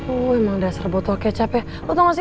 oh emang dasar botol kecap ya lo tau nggak sih